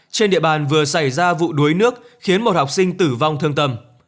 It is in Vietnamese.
trên địa bàn vừa xảy ra vụ đuối nước khiến một học sinh tử vong thương tâm